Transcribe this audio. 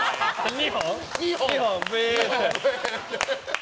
２本？